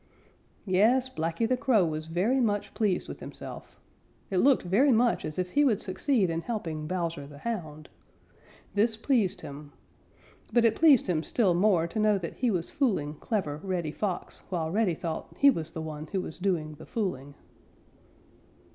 Yes, Blacky the Crow was very much pleased with himself. It looked very much as if he would succeed in helping Bowser the Hound. This pleased him. But it pleased him still more to know that he was fooling clever Reddy Fox while Reddy thought he was the one who was doing the fooling.